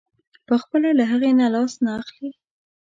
پخپله له هغې نه لاس نه اخلي.